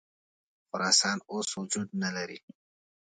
خراسان اوس وجود نه لري.